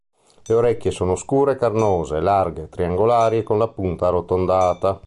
Le orecchie sono scure, carnose, larghe, triangolari e con la punta arrotondata.